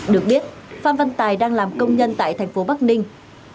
được biết phan văn tài đang làm công nhân tại thành phố bắc ninh